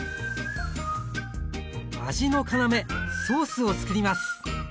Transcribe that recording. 味の要ソースをつくります